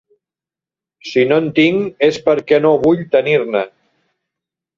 Si no en tinc és perquè no vull tenir-ne.